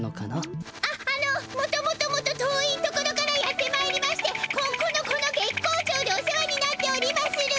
ああのもともともと遠い所からやってまいりましてここのこの月光町でお世話になっておりまする。